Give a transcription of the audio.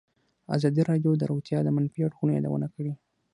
ازادي راډیو د روغتیا د منفي اړخونو یادونه کړې.